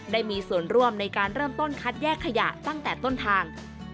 ได้มีส่วนร่วมในการเริ่มต้นคัดแยกขยะตั้งแต่ต้นทาง